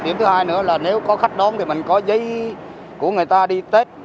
điểm thứ hai nữa là nếu có khách đón thì mình có giấy của người ta đi tết